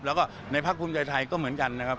แล้วก็ในภาคภูมิใจไทยก็เหมือนกันนะครับ